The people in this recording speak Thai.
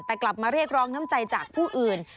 แต่กลับมาเรียกร้องน้ำใจจากผู้อื่น